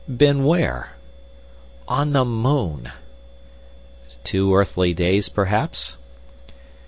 "Been where?" "On the moon." "Two earthly days, perhaps."